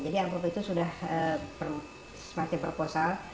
jadi amrok itu sudah semacam proposal